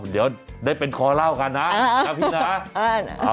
เดี๋ยวได้เป็นคอเล่ากันนะนะพี่นะ